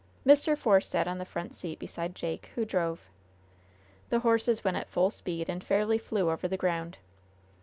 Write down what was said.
Mr. Force sat on the front seat beside Jake, who drove. The horses went at full speed and fairly flew over the ground.